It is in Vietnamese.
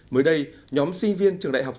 mới đây nhóm sinh viên